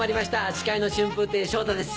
司会の春風亭昇太です。